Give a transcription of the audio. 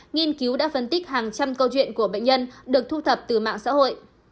nghiên cứu đã phân tích hàng trăm câu chuyện của bệnh nhân được thu thập từ mạng xã hội